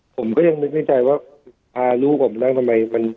ผมก็ยังไม่เครื่องใจว่ารู้ผมนั่งทำไมอาหารมันก็หนาว